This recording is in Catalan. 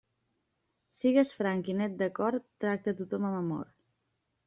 Sigues franc i net de cor, tracta a tothom amb amor.